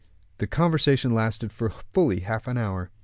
The conversation lasted for fully half an hour.